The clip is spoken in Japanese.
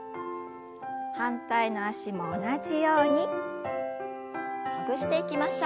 反対の脚も同じようにほぐしていきましょう。